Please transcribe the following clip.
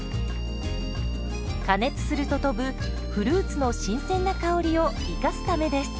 加熱すると飛ぶフルーツの新鮮な香りを生かすためです。